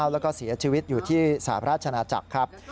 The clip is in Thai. แล้วก็เสียชีวิตอยู่ที่สหราชนาจักรครับ